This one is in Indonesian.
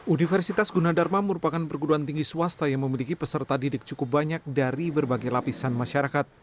universitas gunadharma merupakan perguruan tinggi swasta yang memiliki peserta didik cukup banyak dari berbagai lapisan masyarakat